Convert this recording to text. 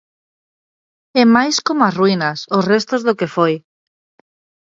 É máis como as ruínas, os restos do que foi.